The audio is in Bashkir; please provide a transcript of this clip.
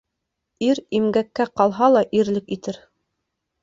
Ир имгәккә ҡалһа ла ирлек итер.